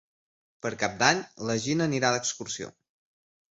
Per Cap d'Any na Gina anirà d'excursió.